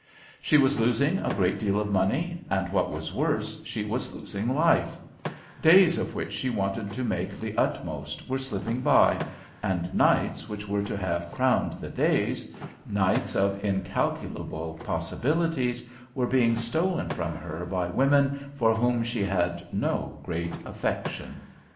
She was losing a great deal of money, and, what was worse, she was losing life; days of which she wanted to make the utmost were slipping by, and nights which were to have crowned the days, nights of incalculable possibilities, were being stolen from her by women for whom she had no great affection.